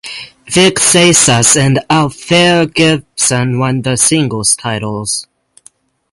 Vic Seixas and Althea Gibson won the singles titles.